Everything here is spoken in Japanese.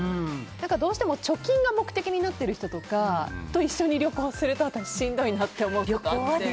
どうしても貯金が目的になってる人とかと一緒に旅行するとしんどいなと思うことあって。